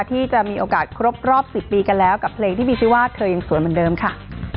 ที่จะมีโอกาสครบรอบ๑๐ปีกันแล้วกับเพลงที่มีชื่อว่าเธอยังสวยเหมือนเดิมค่ะ